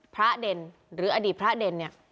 เด่นหรืออดีตพระเด่นเนี่ย